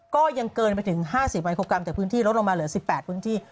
ก็ยังเกินไปถึง๕๐ไมโครกรัมแต่พื้นที่ลดลงมาเหลือ๑๘พื้นที่